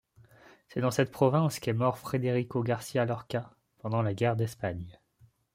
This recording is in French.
C'est dans cette province qu'est mort Federico García Lorca, pendant la guerre d'Espagne.